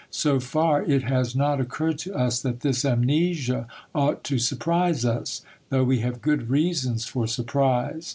So far it has not occurred to us that this amnesia ought to surprise us, though we have good reasons for surprise.